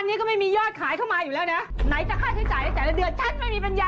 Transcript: พี่บุ๋มโอโหใครอ่ะ